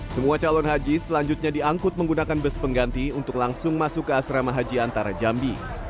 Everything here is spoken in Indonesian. semua calon haji selanjutnya diangkut menggunakan bus pengganti untuk langsung masuk ke asrama haji antara jambi